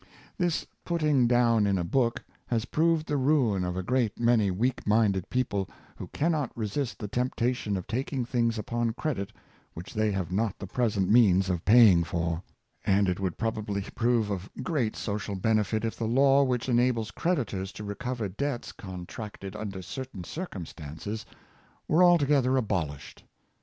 This " putting down in a book '' has proved the ruin of a great many weak minded people, who cannot re sist the temptation of taking things upon credit which they have not the present means of paying for; and it would probably prove of great social benefit if the law which enables creditors to recover debts contracted under certain circumstances were altogether abolished.